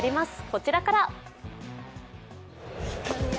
こちらから。